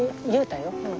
言うたよ。